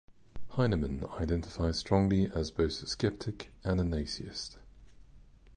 Hyneman identifies strongly as both a skeptic and an atheist.